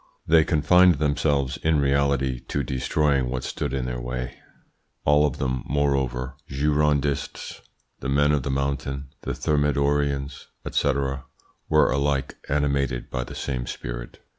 They confined themselves, in reality, to destroying what stood in their way. All of them, moreover Girondists, the Men of the Mountain, the Thermidorians, &c. were alike animated by the same spirit.